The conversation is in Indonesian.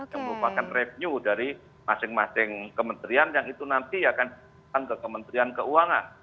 yang merupakan revenue dari masing masing kementerian yang itu nanti akan ke kementerian keuangan